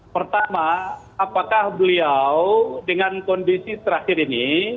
pertama apakah beliau dengan kondisi terakhir ini